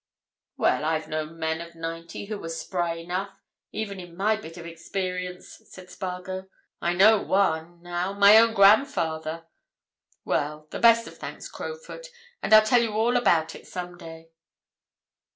"Well, I've known men of ninety who were spry enough, even in my bit of experience," said Spargo. "I know one—now—my own grandfather. Well, the best of thanks, Crowfoot, and I'll tell you all about it some day."